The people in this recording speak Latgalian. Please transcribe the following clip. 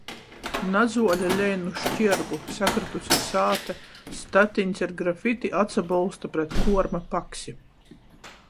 Nazuole lein nu škierbu. Sakrytuse sāta. Statiņs ar grafiti atsabolsta pret kuorma paksi.